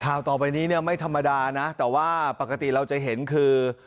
ต่อไปนี้เนี่ยไม่ธรรมดานะแต่ว่าปกติเราจะเห็นคือ